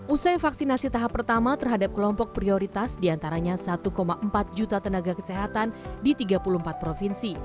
usai vaksinasi tahap pertama terhadap kelompok prioritas diantaranya satu empat juta tenaga kesehatan di tiga puluh empat provinsi